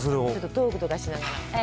トークとかしながら。